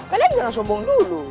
kalian jangan sombong dulu